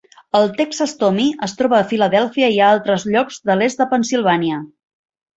El Texas Tommy es troba a Filadèlfia i a altres llocs de l'est de Pennsilvània.